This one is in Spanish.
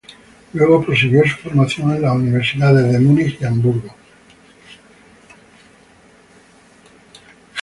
Luego, prosiguió su formación en las universidades de Múnich y Hamburgo.